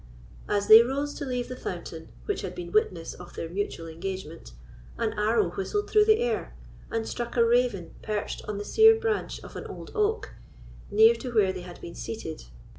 As they arose to leave the fountain which had been witness of their mutual engagement, an arrow whistled through the air, and struck a raven perched on the sere branch of an old oak, near to where they had been seated.